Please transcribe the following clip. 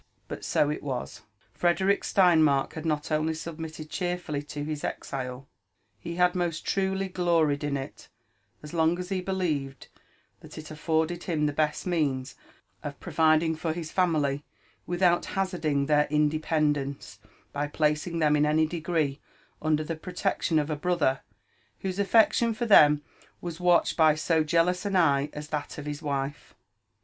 But so it was. Frederick Steinmark had not only submitted cheerfully to his exile — he had most truly gloried in it, as long as he believed that it afforded him the best means of providing for his family without hazarding their inde pendence by placing them in any degree under the protection of a bro ther whose affection for them was watched by so jealous an eye as that of his wife.